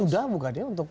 sudah bukan ya untuk